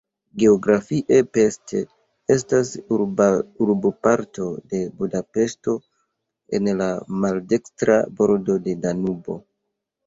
Geografie Pest estas urboparto de Budapeŝto en la maldekstra bordo de Danubo.